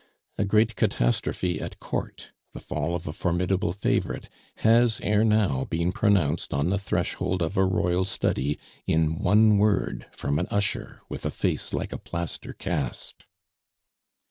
A great catastrophe at Court, the fall of a formidable favorite, has ere now been pronounced on the threshold of a royal study, in one word from an usher with a face like a plaster cast.